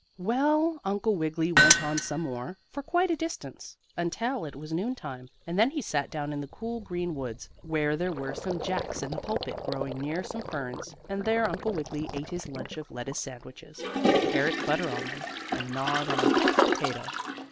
Well, Uncle Wiggily went on some more, for quite a distance, until it was noon time, and then he sat down in the cool, green woods, where there were some jacks in the pulpit growing near some ferns, and there Uncle Wiggily ate his lunch of lettuce sandwiches, with carrot butter on them, and gnawed on a bit of potato.